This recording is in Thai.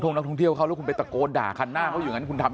เที่ยวเข้าแล้วคุณไปตะโกด่าคันหน้าเขาอยู่อย่างนั้นคุณทำ